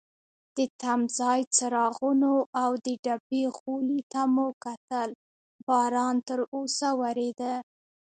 د تمځای څراغونو او د ډبې غولي ته مو کتل، باران تراوسه وریده.